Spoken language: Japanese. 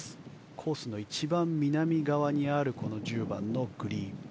コースの一番南側にある１０番のグリーン。